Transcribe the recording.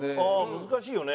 難しいよね。